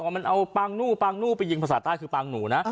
มันเอาปางนู่ปางนู่ไปยิงภาษาใต้คือปางหนูนะ